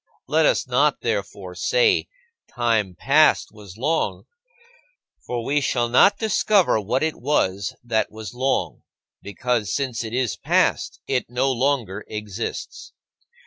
Let us not, therefore, say, "Time past was long," for we shall not discover what it was that was long because, since it is past, it no longer exists.